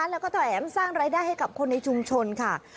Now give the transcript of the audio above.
แล้วก็แถมสร้างรายได้ให้กับคนในชุมชนค่ะ